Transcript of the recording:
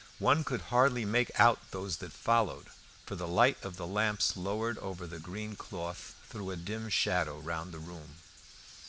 One could hardly make out those that followed, for the light of the lamps lowered over the green cloth threw a dim shadow round the room.